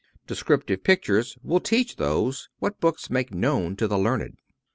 Descriptive pictures will teach those what books make known to the learned.